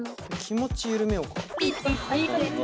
気持ち緩めようか。